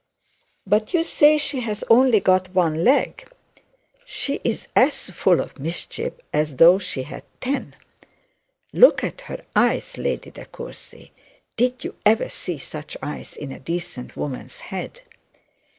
'But you say she has only got one leg!' 'She is as full of mischief as tho' she had ten. Look at her eyes, Lady De Courcy. Did you ever see such eyes in a decent woman's head?'